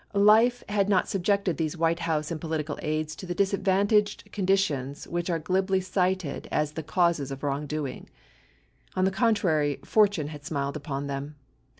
Life had not subjected these White House and political aides to the disadvantaged conditions which are gliblv cited as the causes of wrongdoing. On the contrary, fortune had smiled upon them.